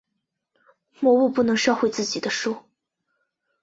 魔物不能烧毁自己的书。